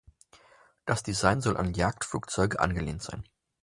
Das Design soll an Jagdflugzeuge angelehnt sein.